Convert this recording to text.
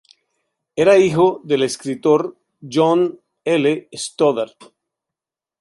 Era hijo del escritor John L. Stoddard.